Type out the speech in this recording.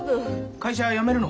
会社辞めるの？